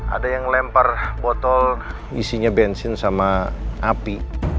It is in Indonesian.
ada yang lempar botol isinya bensin sama api